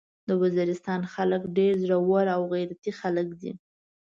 د وزيرستان خلک ډير زړور او غيرتي خلک دي.